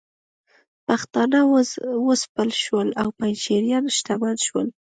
پښتانه وځپل شول او پنجشیریان شتمن شول